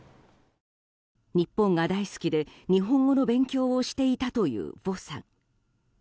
日本が大好きで日本語の勉強をしていたというヴォさん。